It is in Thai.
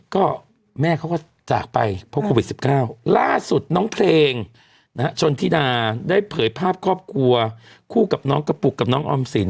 ก็แม่เขาก็จากไปเพราะโควิด๑๙ล่าสุดน้องเพลงชนธิดาได้เผยภาพครอบครัวคู่กับน้องกระปุกกับน้องออมสิน